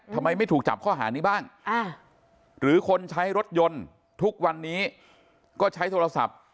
ทำไมไม่ถูกจับข้อหานี้บ้างหรือคนใช้รถยนต์ทุกวันนี้ก็ใช้โทรศัพท์